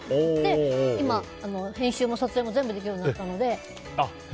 今、編集も撮影も全部できるようになったので。